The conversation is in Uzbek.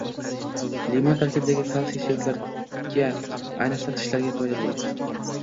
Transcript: Limon tarkibidagi kalsiy suyaklarga, ayniqsa tishlarga foydali.